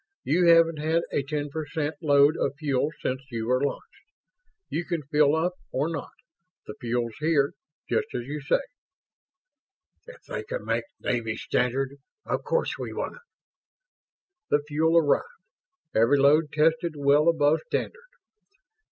You haven't had a ten per cent load of fuel since you were launched. You can fill up or not the fuel's here just as you say." "If they can make Navy standard, of course we want it." The fuel arrived. Every load tested well above standard.